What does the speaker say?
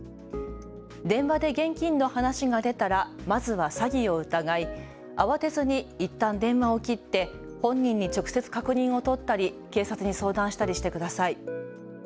電話で現金の話が出たらまずは詐欺を疑い慌てずにいったん電話を切って本人に直接、確認を取ったり警察に相談したりしてください。